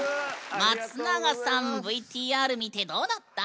松永さんＶＴＲ見てどうだった？